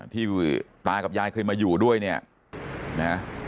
ที่ตากับยายเคยมาอยู่ด้วยเนี่ยนะ